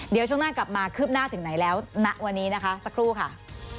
เดี๋ยวช่วงหน้ากลับมาคืบหน้าถึงไหนแล้วณวันนี้นะคะสักครู่ค่ะ